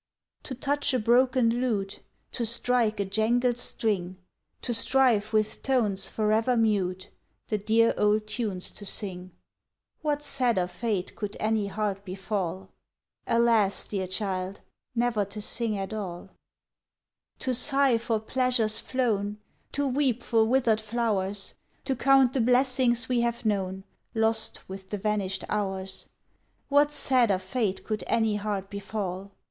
To touch a broken lute, To strike a jangled string, To strive with tones forever mute The dear old tunes to sing What sadder fate could any heart befall? Alas! dear child, never to sing at all. To sigh for pleasures flown. To weep for withered flowers, To count the blessings we have known, Lost with the vanished hours What sadder fate could any heart befall?